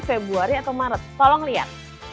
februari atau maret tolong lihat